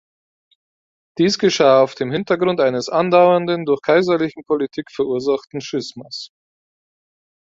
Dies geschah auf dem Hintergrund eines andauernden, durch kaiserliche Politik verursachten Schismas.